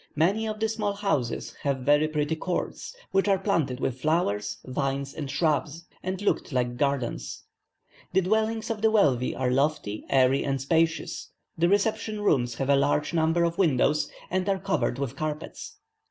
Many of the small houses have very pretty courts, which are planted with flowers, vines, and shrubs, and looked like gardens. The dwellings of the wealthy are lofty, airy, and spacious; the reception rooms have a large number of windows, and are covered with carpets.